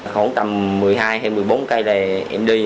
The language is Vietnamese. khoảng tầm một mươi hai hay một mươi bốn cây này em đi